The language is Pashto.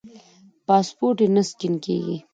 پاسپورټ یې نه سکېن کېږي.